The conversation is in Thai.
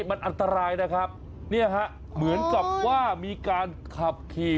มันอันตรายนะครับเนี่ยฮะเหมือนกับว่ามีการขับขี่